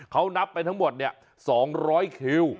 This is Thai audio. เขานับไปทั้งหมด๒๐๐คิว